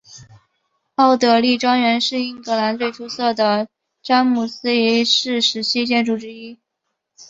奥德莉庄园是英格兰最出色的詹姆斯一世时期建筑之一。